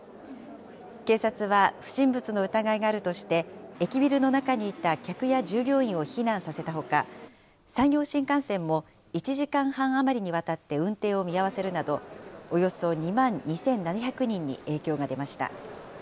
警察は不審物の疑いがあるとして、駅ビルの中にいた客や従業員を避難させたほか、山陽新幹線も１時間半余りにわたって運転を見合わせるなど、およそ２万２７００人に影響が出ました。